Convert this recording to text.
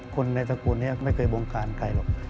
คนในสกูลนี่ไม่เคยบลงกลานก่อน